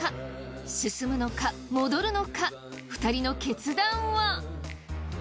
進むのか戻るのか２人の決断は？